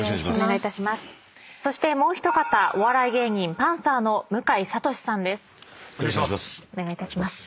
そしてもう一方お笑い芸人パンサーの向井慧さんです。